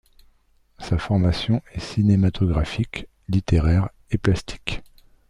Sa formation est cinématographique, littéraire et plastique.